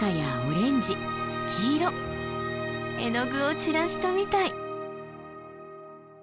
絵の具を散らしたみたい！